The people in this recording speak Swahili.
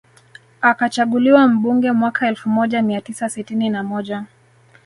Akachaguliwa mbunge mwaka elfu moja mia tisa sitini na moja